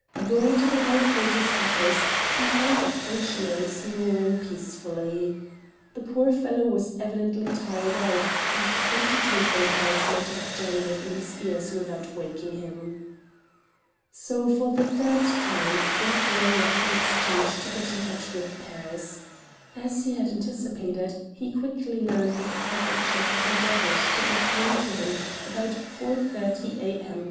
Going to the hall porter's office he found that functionary snoring peacefully. The poor fellow was evidently tired out, and twenty telephone bells might have jangled in his ears without waking him. So, for the third time, Brett rang up the exchange to get in touch with Paris. As he had anticipated, he quickly learnt that the Prefecture had endeavoured to get through to him about 4.30 a.m.